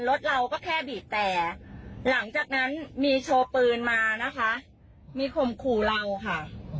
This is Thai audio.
รถเราก็แค่บีบแต่หลังจากนั้นมีโชว์ปืนมานะคะมีข่มขู่เราค่ะ